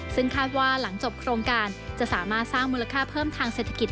ซึ่งคาดว่าหลังจบโครงการจะสามารถสร้างมูลค่าเพิ่มทางเศรษฐกิจ